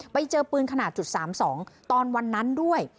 ไปเจอปืนขนาด๓๒ตอนวันนั้นด้วย